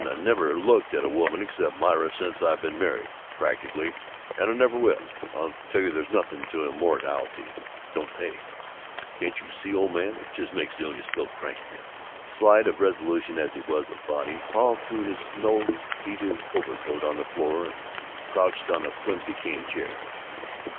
I've never looked at any woman except Myra since I've been married practically and I never will! I tell you there's nothing to immorality. It don't pay. Can't you see, old man, it just makes Zilla still crankier?" Slight of resolution as he was of body, Paul threw his snow beaded overcoat on the floor and crouched on a flimsy cane chair.